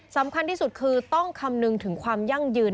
สำคัญที่สุดคือต้องคำนึงถึงความยั่งยืน